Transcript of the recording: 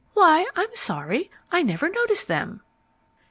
"Why, I'm sorry, I never noticed them!"